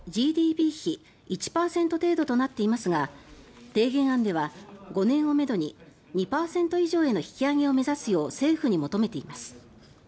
ＧＤＰ比１％以上となっていますが提言案では５年をめどに２％以上への引き上げを目指すよう政府に求めています。